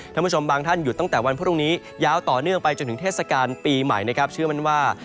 ท่านผู้ชมบางท่านหยุดตั้งแต่วันพรุ่งนี้ยาวต่อเนื่องไปจนถึงเทศกาลปีใหม่นะครับเชื่อมั่นว่า